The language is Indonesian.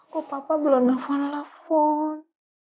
kok papa belum nelfon lefon